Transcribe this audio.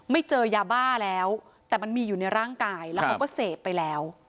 ไม่เจอยาบ้าแล้วแต่มันมีอยู่ในร่างกายแล้วเขาก็เสพไปแล้ว